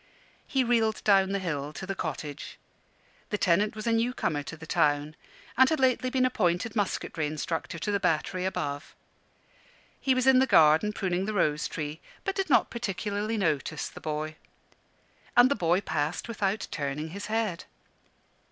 He reeled down the hill to the cottage. The tenant was a newcomer to the town, and had lately been appointed musketry instructor to the battery above. He was in the garden pruning the rose tree, but did not particularly notice the boy. And the boy passed without turning his head.